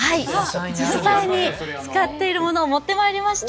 実際に使っているものを持ってまいりました。